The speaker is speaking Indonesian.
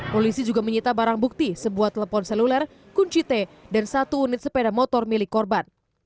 polisi juga menyita barang bukti sebuah telepon seluler kunci t dan satu unit sepeda motor milik korban